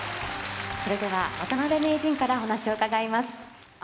それでは渡辺名人からお話を伺います。